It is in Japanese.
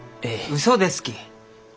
うそですき！